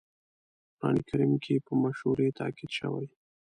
په قرآن کريم کې په مشورې تاکيد شوی.